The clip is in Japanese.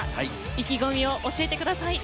意気込みを教えてください。